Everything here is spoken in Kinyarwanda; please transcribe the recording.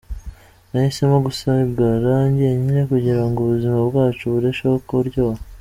Nahisemo gusigara njyenyine kugirango ubuzima bwacu burusheho kuryoha.